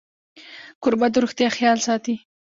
کوربه د روغتیا خیال ساتي.